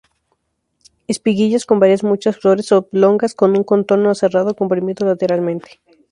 Espiguillas con varias-muchas flores, oblongas con un contorno aserrado, comprimido lateralmente.